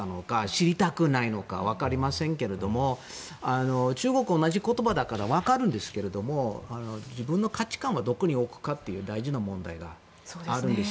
知りたくないのか分かりませんけども中国は同じ言葉だから分かるんですけども自分の価値観をどこに置くかという大事な問題があるんです。